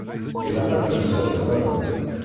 Ilaq ad terseḍ da.